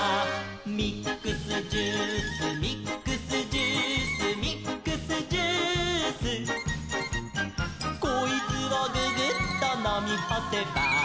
「ミックスジュースミックスジュース」「ミックスジュース」「こいつをググッとのみほせば」